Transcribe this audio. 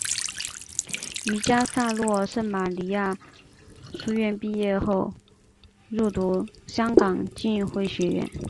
于嘉诺撒圣玛利书院毕业后入读香港浸会学院。